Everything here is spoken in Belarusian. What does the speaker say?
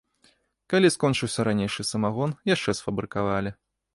Калі скончыўся ранейшы самагон, яшчэ сфабрыкавалі.